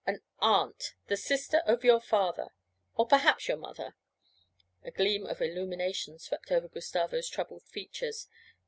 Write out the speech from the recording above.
An aunt the sister of your father, or perhaps your mother.' A gleam of illumination swept over Gustavo's troubled features.